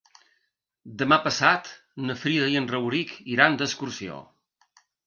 Demà passat na Frida i en Rauric iran d'excursió.